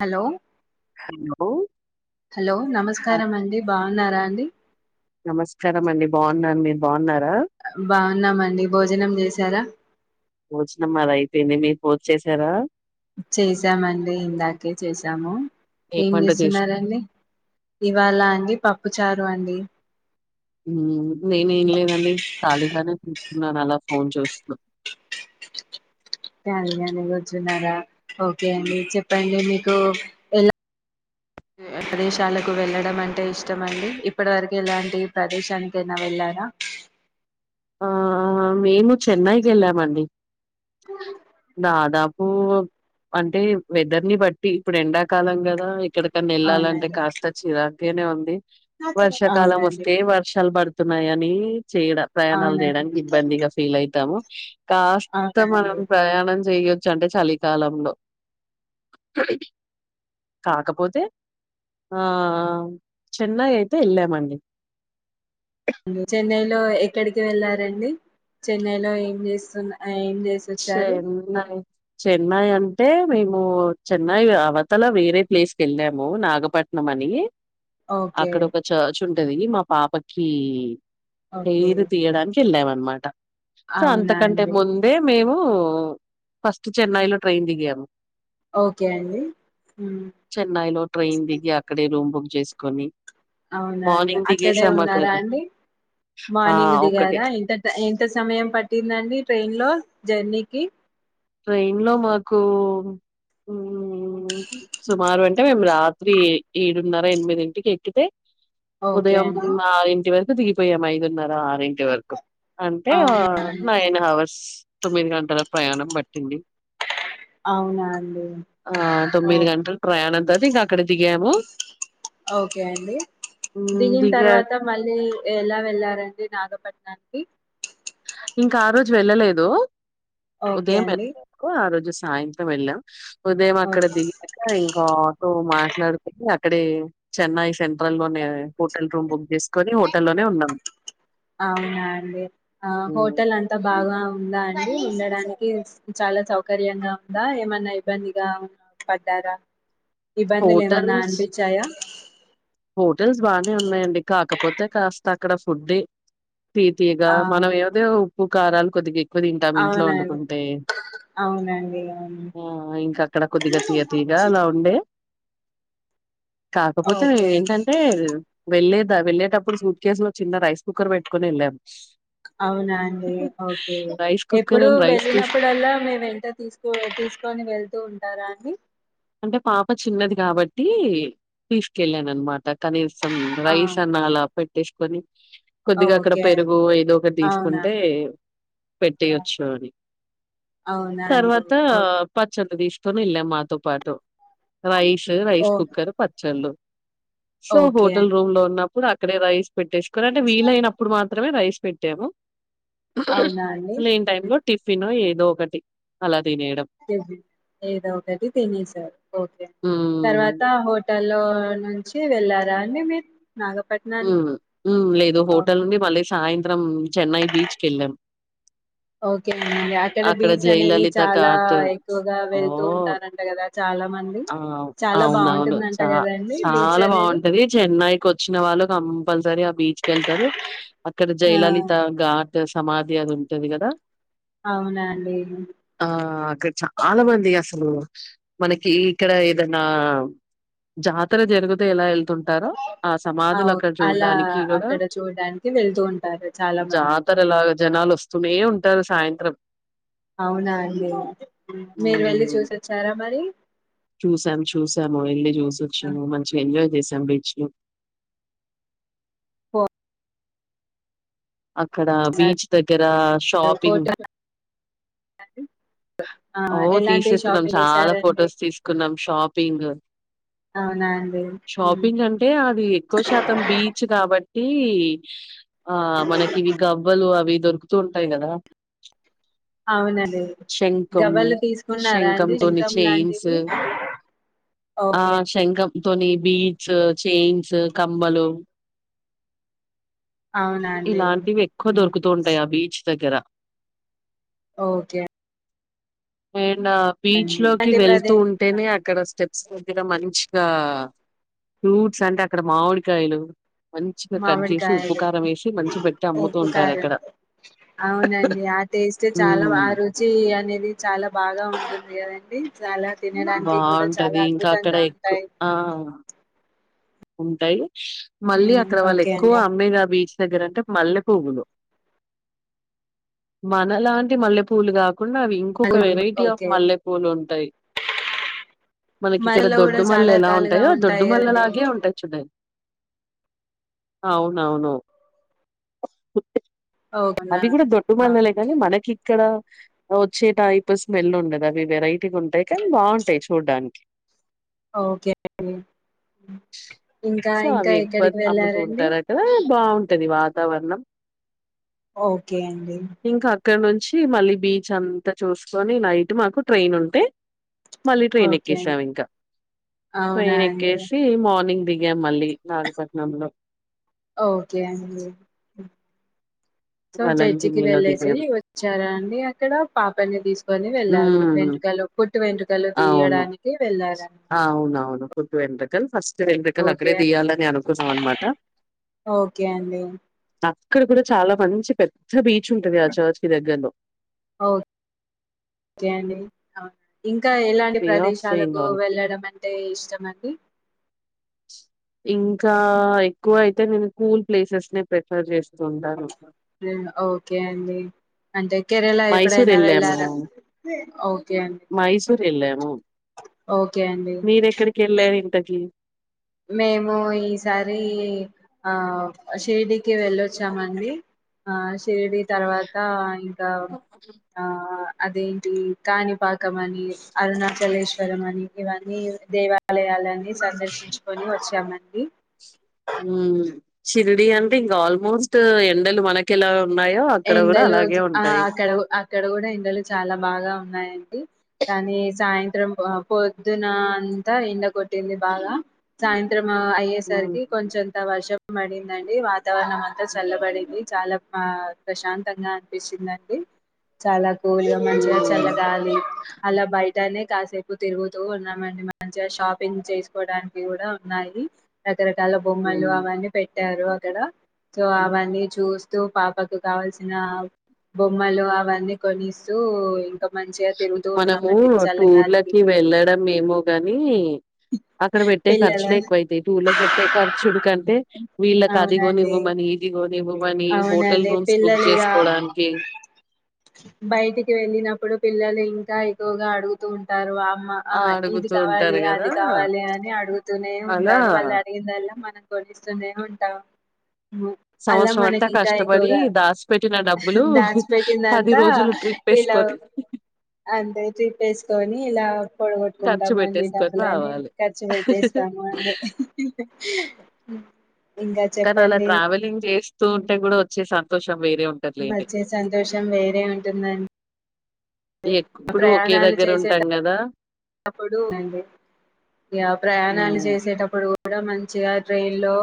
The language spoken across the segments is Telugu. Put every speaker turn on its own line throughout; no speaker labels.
హలో
హలో
హలో
ఆ
నమస్కారం అండి బ ఉన్నారా అండి
నమస్కారం అండి బాగున్నాన్ మీరు బాగున్నా
బా ఉన్నామండి భోజనం చేసారా
భోజనం మాది అయిపోయింది మీరు భోంచేసారా
చేసామండి ఇందాకే చేసాము ఏం
వంట చేసా
చేస్తున్నారండి ఇవాళ అండి పప్పు చారు అండి
హ్మ్ నేనే ఏం లేదండి ఖాళీగానే ననాలా ఫోన్ చేస్తున్నా
ఖాళీగానే కూర్చున్నరా ఓకే అండి చెప్పండి మీక్ కు ఎలా ప్రదేశాలకు వెళ్ళడం అంటే ఇష్టమండి ఇప్పటి వరకు ఎలాంటి ప్రదేశానికైనా వెళ్ళారా
ఆ మేము చెన్నైకి ఎళ్ళామండి దాదాపు అంటే వెదర్ ని బట్టి ఇప్పుడు ఎండాకాలం కదా ఇక్కడ కన్ ఎళ్లాలంటే
అవునండి
కాస్త చిరక్ తేనె ఏమంది వర్షాకాలం
అవునండి
వస్తే వర్షాలు బర్ద్ తున్నాయని అని చేయడ ప్రయాణాలు
అవునండి
చేయడానికి ఇబ్బందిగా ఫీల్ అయితాము [unintelligible] కాస్త
అవునండి
మనం ప్రయాణం చేయొచ్చు అంటే చలికాలంలో కాకపోతే ఆఁ చెన్నై అయితే వెళ్ళామండి
చెన్నైలో ఎక్కడికి వెళ్లారండి చెన్నైలో ఏం చేస్తున్న ఏం చే
చెన్నై చెన్నై అంటే మేము చెన్నై అవతల వేరే ప్లేస్ కు వెళ్ళాము నాగపట్నం అని
ఓకే
అక్కడ ఒక చర్చ్ ఉంటది మా పాపకి
ఓకే
హెయిర్ తియ్యడానికి వెళ్ళన్నమాట సో
అవునా
అంతకంటే
అండి
ముందే మేము ఫస్ట్ చెన్నై
హ్మ్.
లో ట్రైన్ దిగాము
ఓకే అండి మ్మ్
చెన్నైలో ట్రైన్ దిగి అక్కడే రూమ్ బుక్ చేసుకొని
అవునండి
మార్నింగ్
అక్కడే
దిగేసాం అక్కడ
ఉన్నారా అండి
ఆ
మార్నింగ్
ఒక్కటే
దిగారా ఎంత టైమ్ ఎంత సమయం పట్టిందండి ట్రైన్ లో జర్నీకి
ట్రైన్ లో మాకు మ్ సుమారు అంటే మేము రాత్రి ఏడున్నర ఎనిమిది ఇంటికి ఎక్కితే
ఓకే
ఉదయం
అండి
ఆరంటింటి వరక్ దికిపోయాము ఐదున్నర ఆరుంటి వరకు అంటే
అవునా అండి
నైన్ హవర్స్ తొమ్మిది గంటల ప్రయాణం బట్టి తిండి
అవునా అండి
ఆ
ఓ
తొమ్మిది గంటలు ప్రయాణం అది అక్కడ దిగయాము
ఓకే అండి దిని
దిగా
తర్వాత మళ్ళీ ఎలా వెళ్లారండి నాగపట్నానికి [unintelligible]
ఇంకా ఆ రోజు వెళ్ళ
ఓకే
ఉదయం ఎ
అండి
ఆ రజ సాయంత్రం ఎల ఉదయం అక్కడ
ఓకే
దిగాక ఇంకో ఆటో మాట్ల మాట్లాడుకని అక్కడే చెన్నై సెంట్రల్ లోనే హోటల్ రూమ్ బుక్ చేసుకని హోటల్లోనే ఉన్నాం
అవునా అండి ఆ
హ్మ్.
హోటల్ అంతా బాగా ఉందా అం ఉండడానికి చాలా సౌకర్యంగా ఉందా ఏమన్నా ఇబ్బందిగా ఉ పడ్డారా ఇబ్బందులు ఏమన్నా
హోటల్స్
అనిపించాయా
హోటల్స్ బానే ఉన్నాయండి కాకపోతే కాస్త అక్కడ ఫుడ్ తితిగా
ఆ
మనం ఏదో పు కారాలు కొద్దిగ ఎక్కువ తినటం ఇంట్లో
అవునండి
వండుకుంటే
అవునండి అవును
ఆ ఇంకా అక్కడ కొద్దిగా తీయ తీయాగ అలా ఉండే కాకపోతే మే
ఓకే అండి
ఏ వెళ్లేదా వెళ్ళేటప్పుడు సూట్ కేసు లో చిన్న రైస్ కుక్కర్ పెట్టుకొని వెళ్ళాం
అవునా అండి ఓకే
రైస్ కుక్కర్
ఎప్పుడు
అండ్ రైస్ తీస్
వెళ్ళినప్పుడల్లా మేము వెంట తీసుకో తీసుకొని వెళ్తూ టారా అండి
అంటే పాప చిన్నది కాబట్టి తీసుకెళ్ళాను అనమాట కనీ సమ్
ఆ
రైస్ అన్నా అలా పెట్టేసుకొని కొద్దిగా అక్కడ
ఓకే అండి
పెరుగు ఏదో ఒకటి
అవునా
తీసుకుంటే పెట్టేయచ్చు అని
అవునా అండి
తర్వాత
ఓ
పచ్చ ది తీసుకొని వెళ్ళాం మాతో పాటు రైష్ రైస్
ఓ-
కుక్కర్ పచ్చళ్ళు సో
ఓకే
హోటల్
అండి
రూమ్ లో ఉన్నా కు అక్కడే రైస్ పెట్టేసుకోని అంటే వీలైనప్పుడు మాత్రమే మాత్రమే రైస్ పెట్టాము
అవునా అండి
లేని టైమ్ లో టిఫిన్ ఏది దొ ఒకటి అలా తినేయడం.
జ ఏదొ ఒకటి తినేసారు ఓకే
హ్మ్.
తర్వాత బట్టలో నుంచి వెళ్ళారా అని మీరు
హూ
నాగపట్నానికి
హూ లేదు
అవును.
హోటల్ నుండి మళ్ళ సాయంత్రం చెన్నై బీచ్కి వెళ్ళం
ఓకే అ అక్కడ బీచ్ అనేది
జయలలిత
చాలా
ఘాట్
ఎక్కువగా
ఓ
వెళ్తూ ఉంటారుంట కదా చాలా మంది
ఆ
చాలా
అవునవును
బాగుంటుందంట
చ
కదండి బీచ్
చాలా
అనేది
బాగుంటది చెన్నైకి వచ్చిన వాళ్ళు కంపల్సరీ ఆ బీచ్ కి వెళ్తారు అక్కడ
ఆ
జయలలిత గా సమాధి అది ఉంటది కదా
అవునా అండి
ఆ అక్కడ చాలా మంది అసలు స్ మనకి ఇక్కడ ఏదన్నా జాతర జరుగతే ఎలా ఉంటారో ఆ సమాధులు
అవు
అక్కడ
అలా
చూడడానికి కూడా
అక్కడ చూడడానికి వెళ్తూ ఉంటారు చాలా మంది
జాతరలాగా జనాలు వస్తూనే ఉంట ఉంటారు సాయంత్రం
అవునా అండి మీరు వెళ్ళి చూసిచ్చోరా మరి
చూసాము చూసాము వెళ్ళి
ఆ,
చూసోచ్చాము మంచిగా అయి ఎంజాయ్ చేసాము బీచ్ లో
ఫో-
అక్కడ బీచ్ దగ్గర షాపింగ్
అ
ఓ తీసేకున్నాం చాలా
చేసారండి
ఫొటోస్ తీసుకున్నాం షాపింగ్
అవునా అండి ఉమ్.
షాపింగ్ అంటే అది ఎక్కువ శాతం బీచ్ కాబట్టి టి ఆ మనకి ఇవి గవ్వలు అవి దొరుకుతూ ఉంటాయి కదా
అవునదే
శంఖం శంఖం తోని చయిన్స్ ఆ
ఓకే
శంఖం తని బీట్స్ చైన్స్ కమ్మలు
అవునా అండి
ఇలాంటివి ఎక్కువ
ఉమ్.
దొరుకుతూ ఉంటాయి ఆ బీచ్ దగ్గర
ఓకే
మేడ్ నా బీచ్
అండి
లోకి
అంటే
వెళ్తూ
ప్రదే ఆ,
ఉంటేనే అక్కడ స్టెప్ శుద్ధిగా మంచిగా ఫ్రూట్స్ అంటే అక్కడ మామిడికాయలు మంచిగా కట్ చేసి ఉప్పు
మామిడికాయలు
కారం వేసి మంచి పెట్టి అమ్ముతూ
ఉప్పు
ఉంటారు
కారం
అక్కడ
అవునండి ఆ టేస్ట్ చాలా
హ్మ్
ఆ రుచి అనేది చాలా బాగా ఉంటుంది ఇగ దండి చాలా తినడానికి కూడా చాలా
బాగుంటది ఇంకా అక్కడ
అద్భుతంగా
ఎక్కువ
ఉంటాయి
ఆ ఉంటాయి షూ మళ్ళీ
ఉమ్,
అక్కడ వాళ్ళు
ఓకే
ఎక్కువ
అండి
అమ్మేదబ దగ్గర అంటే మల్లె పువ్వులు మనలాంటి మల్లె పువ్వులు కాదు ఉన్నవి ఇంకొక వెరైటీ ఆఫ్
ఓకే
మల్లె పూలు ఉ ంత మనకి ఇక్కడ
మరలో కూడా
దొడ్డు మల్ళ
చాలా
ఎలా
రకాలుగా
ఉంటాయో దొడ్డు
ఉంటాయి కదండి
మల్లలాగే ఉంటా డ అవునావునువు
ఓకేనా
అవి కూడా దొట్టు
ఆ,
మనలే కానీ మనకి ఇక్కడ వచ్చే టైప్ స్మెల్ ఉండది అవి వెరైటీగా ఉంటాయి కానీ బాగుంటాయి చూడ్డానికి
ఓకే అం ఇంకా
సో
ఇంకా
అవి ఎక్కువ
ఎక్కడికి వెళ్ళారంండి
వతావరణం
ఓకే అండి
ఇక్కడ నుంచి మళ్ళీ బీచ్ అంతా చూసుకొని నైట్ మాకు ట్రైన్ ఉంటే మళ్ళీ ట్రైన్
ఓకే అండి
ఎక్కేసాం ఇంకా
అవునా
ట్రైన్
అండి
ఎక్కేసి మార్నింగ్ దిగా మళ్ళీ నాగపట్నంలో
ఓకే అ సో చర్చికి
వలంగినిలో
వెళ్ళేసి
దిగాం.
వచ్చారా అండి అక్కడ పాపన్ని తీసుకు కొని వెళ్లారు
హ్మ్.
వెంట్రుకలు పుట్టు వెంట్రుకలు
అవును.
తీయడానికి వెళ్లారనమాట
పుట్టుంట్రక ఫస్ట్ సరే ఎందుకలు అక్కడే తీయాలని అనుకున్నాం అనమాట
ఓకే అండి
ఇక్కడ కూడా చాలా మంచి పెద్ద బీచ్ చ్ ఉంటది చర్చ్ దగ్గర్లో
ఓకే అండి అవు ఇం ఇంకా ఎలాంటి
బే ఆఫ్
ప్రదేశాలకు
బెంగాల్.
వెళ్ళడం అని అంటే ఇష్టం అండి
ఇంకా ఎక్కువ అయితే నేను కూల్ ప్లేసెస్ నే ప్రిఫర్ చేస్తాను
ఓకే అండి అంటే కేెరళ
మైసూర్
ఎప్పుడైనా
ఎళ్ళాము
వెళ్ళారా ఓకే అండి
మైసూర్ ఎళ్ళాము
ఓకే అండి
కీ
మేము ఈసారి ఆ షిర్డికి వెళ్ళొచ్చామండి, ఆ షిర్డి తర్వాత ఇంకా ఆ అదేంటి కాణిపాకం అని అరుణాచలేశ్వరం అని ఇవన్నీ దేవ ఆలయాలన్ని సందర్శించు వచ్చామండి
ఉ షరిడి అంటే ఇంకా ఆల్మోస్ట్ ఎండలు మనకిలా
ఎండలు ఆ అక్కడ అక్కడ కూడా ఎండలు చాలా బాగా ఉన్నాయండి, కానీ సాయంత్రం త్రం పొద్దున అంతా ఎండ కొట్టింది బాగా సాయంత్రం అ
మ్మ్
అయ్యేసరికి కొంచెంత వర్షం పడిందండి వా వాతావరణం అంతా చల్లబడింది చాలా ప్రశాంతంగా అనిపిించిందండి చాలా పోలియో మంచిగా
మ్మ్
చల్లగాలి అలా బయటనే కాసేపు తిరుగుతూ ఉన్నామండి, మంచిగా షాపింగ్ చేసుకోవడానికి కూడా ఉన్నాయి ద రకరకాల బొమ్మలు
మ్మ్
అవన్నీ పెట్ ట్టారు అక్కడ సో అవన్నీ చూసి పాపకు కావాల్సిన బొమ్మలు అవన్నీ కొనిస్తూ ఇంకా మంచిగా తిరుగుతూ
మనము
ఉన్నామండి చల్లగాలికి
టూర్లకి వెళ్ళడం ఏమో గాని అక్కడ పెట్టే
పిల్లల
ఖర్చులేే ఎక్కువైతాయి టూర్లకి పెట్టే ఖర్చుడు కంటే వీళ్ళకి
అవునండి
అదిగోనివ్వమని ఇదికోనివ్వమని.
అవునండి. పిల్లలుగా
చేసుకోవడానికి
బయటికి వెళ్ళినప్పుడు పిల్లలు ఇంకా ఎక్కువగా అడుగుతూ ఉంటారు. ఆ
ఆ
ఆహ్ ఇది
అడుగుతూ
కావాలి
ఉంటారు
అది
కదా
కావాలి అని అడుగుతూనే
అలా
ఉంటారు వాళ్ళు అడిగిందల్ల మనం ఇస్తనే ఉంటాం. అలా మనక్
ఇంత కష్టపడి దాసి పెట్టిన డబ్బులు పది
దాచిపెట్టిందంతా
రోజులు ట్రిప్
ఇలా
వేసుకోని
పోనీ ఇలా పొడగొట్టుకుంటాము అండి డబ్బులని
రావాలి.
ఖర్చు పెట్టేస్తాము అన్ని
కానీ అలా ట్రావెలింగ్ చేస్తూవుం కూడా వచ్చే సంతోషం వేరే ఉంటదిలేండి.
వచ్చే సంతోషం వేరే ఉంటుంది అండి.
ఎప్పుడు ఒకే దగ్గర ఉంటాం కదా.
ఇప్పుడు ఆ ప్రయాణాలు
హ్మ్
చేసేటప్పుడు కూడా మంచి మంచి గా ట్రైన్ లో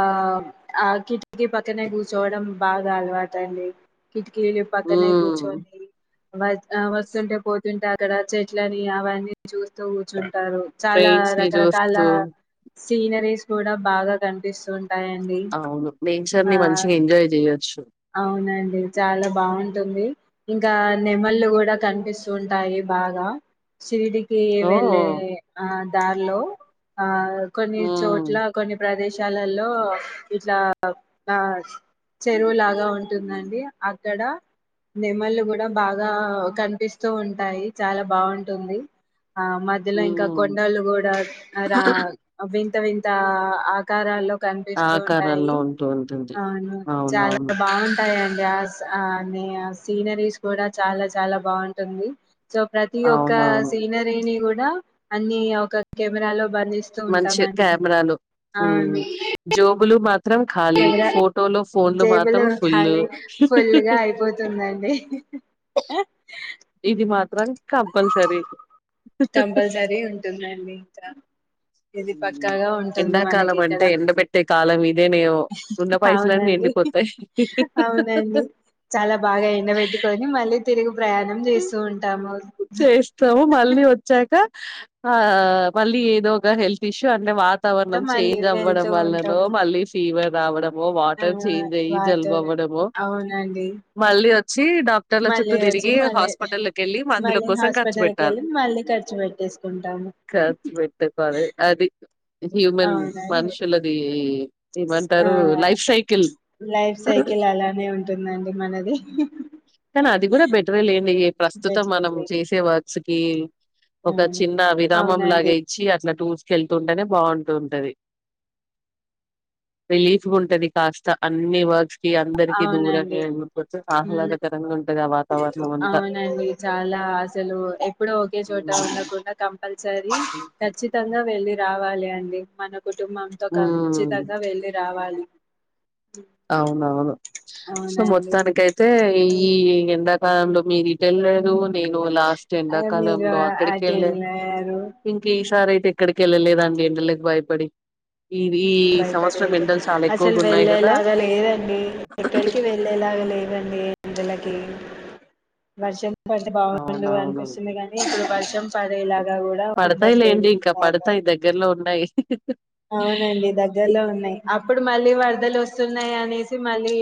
ఆహ్ ఆహ్ కిటికీ పక్కనే కూర్చోవడం బాగా అలవాటు అండి కిటికీ పక్కనే
హ్మ్
కుర్చుని వ ఆహ్ వస్తుంటే పోతుంటే అక్కడ చెట్లని అవన్నీ చూస్తు కూర్చున్ ఉంటారు చాలా
ట్రైన్స్ ని
రకరకాల
చూస్తూ
సీనరీస్ కూడా బాగా కనిపిస్తు ఉంటు రాయండి
అవును నేచర్ ని
ఆహ్
మంచిగా ఎంజాయ్ చేయొచ్చు.
అవునండి చాలా బాగుంటుంది. ఇంకా నెమళ్ళు కూడా కనిపిస్తుంటాయి బాగా సిడి ఈ
ఓ
ఏవేళే ఆహ్ దారిలో ఆహ్ కొన్ని
హ్మ్
చోట్ల కొన్ని ప్రదేశ విషాలలో ఇట్లా ఆ చెరువు లాగా ఉంటుందండి. అక్కడ నెమళ్ళ కూడా బాగా కనిపిస్తూ ఉంటాయి. చాలా బాగుంటుంది. ఆహ్ మధ్యలో ఇంకా
హ్మ్
కొండలు కూడా రా అవి వింతా ఆకారాలు కనిపిస్తూ ఉంటాయి
ఆకారాల్లో ఉంటూ ఉంటుంది.
అవును చాలా
అవునవును.
బాగుంటాయి అండ్ గ్యాస్ ఆహ్ అనే సీనరీస్ కూడా చాలా చాలా బాగుంటుంది. సో ప్రతి ఒక్క
అవునవును.
సీనరిస్ కూడా అన్ని ఒక కెమెరా లో
మంచి కెమెరాలు
అవును
జోబులు మా మాత్రం ఖాళీ
కెమెరా
ఫోటో లో ఫోన్లు మాత్రం
జేబులో
ఫుల్
ఖాళీ ఫుల్ గా అయిపోతుందండి
ఇది మాత్రం కంపల్సరీ
కంపల్సరీ ఉంటుందండి ఇంకా ఇది
హ్మ్
పక్కాగా ఉంటుంది మనకి
ఎండాకాలం
ఇక్కడ
అంటే ఎండబెట్టే కాలం ఇదేనేమో ఉన్న పైసలన్నీ
అవునండి
ఎండిపోతాయి
అవునండి చాలా బాగా ఎండబెట్టుకొని మళ్ళీ తెిగు ప్రయాణం చేస్తూ ఉంటాము
చేస్తాము మళ్ళీ వచ్చాక ఆ మళ్ళీ ఏదో ఒక హెల్త్ ఇష్యూ అంటే వా
త
వాతావరణం
మళ్ళీ
చేంజ్ అవ్వడం
వెళ్తూ
వల్లన
ఉంటాం
మళ్ళీ ఫీవర్ అ
ఆ
వాటర్ చేంజ్ అయ్యి
వాటర్
జలుబవ్వడ
అవునండి
మళ్ళీ చ్చ డాక్టర్ల
మళ్ళీ
చుటుూేరికి
వచ్చి మళ్ళీ మళ్ళీ
ఖర్చు
హాస్పిటల్కి
పెట్టాలి.
వెళ్ళి మళ్ళీ ఖర్చు పెట్టేసుకుంటాము
ఖర్చు పెట్టుకోవాలి. అది హ్యూమన్
అవునండి
మనుషులది
ఆ
ఏమంటారు లైఫ్ సైకిల్.
లైఫ్ సైకిల్ అలానే ఉంటుందండి మనది
లేని ప్రస్తుతం మనం
బెట్లేను
చేసే వ క ఒక
అవును
చిన్న విరామం లాగ
అవునండి
ఇచ్చి అట్లా టూస్కెళ్తుంటేనే బాగుంటుంటది రిలీఫ్ ఉంటది కాస్త అన్ని వర్క్స్ అందరిక దూరమ
అవునండి
అందు
ఉమ్
ఆహ్లాదకరంగా ఉంటంది ఆత
అవునండి చాలా అసలు ఎప్పుడో ఒకే చోట
హ్మ్.
ఉండకుండా కంపల్సరీ ఖచ్చితంగా వెళ్ళి రావాలి ాలే అండి మనం కుటుంబంతో
హ్మ్.
ఖచ్చితంగా వెళ్ళి రావాలి
అవునవును సో
అవునండి
మొత్తానిక అైతే ఈ ఎంద ఉాంలో మీరు ఇటు వెళ్లేదు నేను లాస్ట్
అ మీరు
ఎండాకాలంలో అక్కడికి
అటు
వెళ్ళాను
వెళ్ళారు
ఇంక ఈ సారి అయితే ఇక్కడికి వెళ్ళలేదండి ఇంటలోకి భయపడి ఈ ఈ సంవత్సరం
భయపడేది
ఎండలు చాలా
అసలు
ఎక్కువగా ఉన్నాయి కదా
వెళ్ళేలాగా లేదండి ఎక్కడికి వెళ్ళేలాగా లేదండి ఇందులకి వర్జెం బటి బాగుండు
అవునవును
అనిపిస్తుంది కానీ ఇప్పుడు వర్షం పడేలాగా కూడా
పడతాయి
ఉండట్లేదు బాగా
ఓకే
అవునండి దగ్గరలో ఉన్నాయి అప్పుడు మళ్ళీ వాళ్ళ బద్దలు వస్తున్నాయి అనేసి మళ్ళీ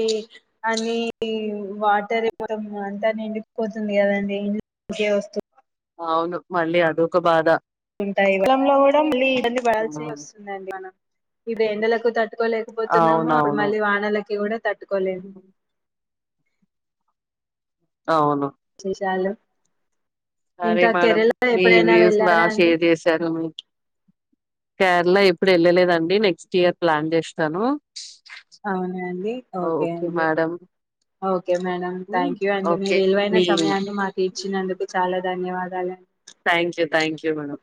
అని వాటర్ మొత్తం అంతా నిండిపోతుంది కదండి ఇం ఇకే వస్తు
అవును మళ్ళీ అదొక బాధ
[unintelligible] ఇబ్బంది పడాల్సి వస్తుందిండి మనం ఇ ఎండలకు తట్టుకోలేకపోతున్నాము అప్పుడు
అవునవును
మళ్ళీ వానలకి కూడా తట్టుకోలే
అవును
విశేషాలు
సరే
ఇంకా
మేడంమ్
కేరళ
మీ
ఎప్పుడైనా
వ్యూస్
వెళ్ళారా
బాగా
అండి
షేర్ చేశను మీ కేరళ ఎప్పుడు వెళ్ళలేదండి నెక్స్ట్ ఇయర్ ప్లాన్ చేస్తాను
అవునండి ఓకే అండి ఓకే మేడం
హ్మ్.
థ్యాంక్ యూ అండి
ఓకే.
మీరు విలువైన
మీ
సమయాన్ని మాకు ఇచ్చినందుకు చాలా ధన్యవాదాలు
thank you thank you madam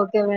okay madam